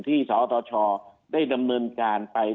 ที่สะออต่อช่อได้ดำเนินการไป